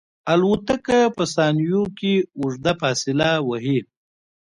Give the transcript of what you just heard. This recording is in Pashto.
الوتکه په ثانیو کې اوږده فاصله وهي.